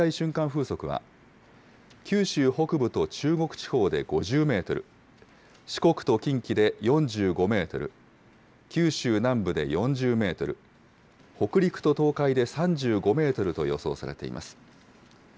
風速は、九州北部と中国地方で５０メートル、四国と近畿で４５メートル、九州南部で４０メートル、北陸と東海で３５メートルと予想されています。